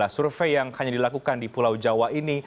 survei yang hanya dilakukan di pulau jawa ini